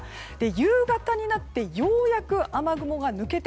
夕方になってようやく雨雲が抜けて